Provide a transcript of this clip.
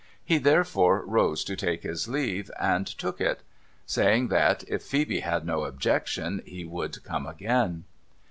He therefore rose to take his leave, and took it; saying that, if Phoebe had no objection, he would come again.